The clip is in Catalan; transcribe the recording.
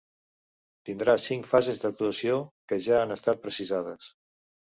Tindrà cinc fases d’actuació, que ja han estat precisades.